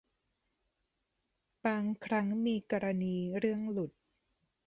บางครั้งมีกรณีเรื่องหลุด